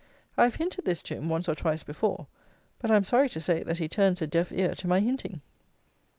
I have hinted this to him once or twice before, but I am sorry to say that he turns a deaf ear to my hinting.